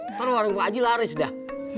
ntar warung pak haji laris dah